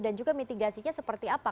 dan juga mitigasinya seperti apa